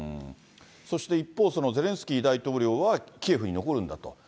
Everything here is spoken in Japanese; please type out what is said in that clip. そして一方、そのゼレンスキー大統領は、キエフに残るんだと。